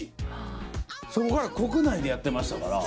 そこから国内でやってましたから。